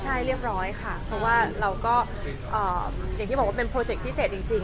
ใช่เรียบร้อยค่ะเพราะว่าเราก็อย่างที่บอกว่าเป็นโปรเจคพิเศษจริง